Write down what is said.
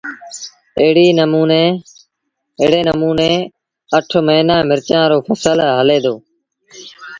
ايڙي نموٚني اٺ مهينآݩ مرچآݩ رو ڦسل هلي دو